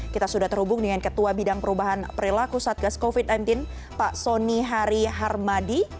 kita sudah terhubung dengan ketua bidang perubahan perilaku satgas covid sembilan belas pak soni hari harmadi